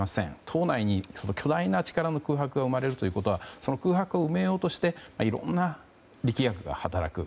党内に巨大な力の空白が生まれるということはその空白を埋めようとしていろんな力学が働く。